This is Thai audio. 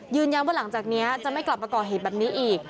หลังจากนี้จะไม่กลับมาก่อเหตุแบบนี้อีก